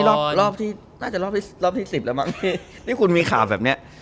นี่รอบที่๑๐แล้วมั้งนี่คุณมีข่าวแบบนี้